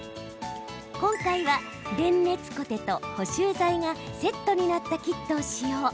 今回は、電熱コテと補修材がセットになったキットを使用。